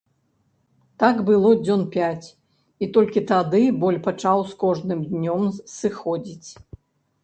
Так было дзён пяць, і толькі тады боль пачаў з кожным днём сыходзіць.